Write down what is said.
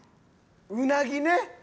うなぎね。